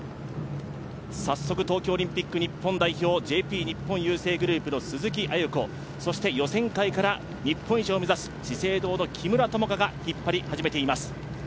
早速東京オリンピック日本代表、ＪＰ日本郵政グループの鈴木亜由子、そして予選会から日本一を目指す資生堂の木村友香が引っ張り始めています。